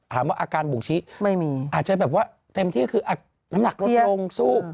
ถามว่าอาการบุงชิอาจจะแบบว่าเต็มที่คืออักหนักลดลงซูบ